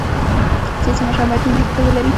سیاسي مشران باید ملي فکر ولري